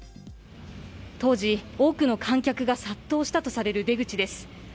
当時多くの観客が殺到したとされる出口です。